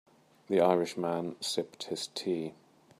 The Irish man sipped his tea.